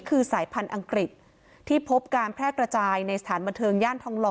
คือสายพันธุ์อังกฤษที่พบการแพร่กระจายในสถานบันเทิงย่านทองหล่อ